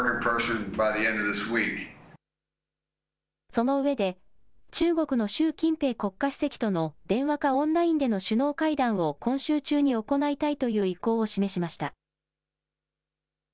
そのうえで中国の習近平国家主席との電話かオンラインでの首脳会談を今週中に行いたいという意向を示しました。